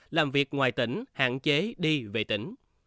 làm việc ngoài tỉnh hạn chế đi về tỉnh